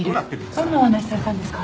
どんなお話されたんですか？